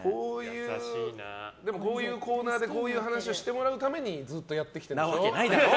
こういうコーナーでこういう話をしてもらうためにずっとやってきたんでしょ。